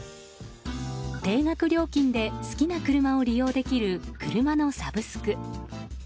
定額料金で好きな車を利用できる車のサブスク。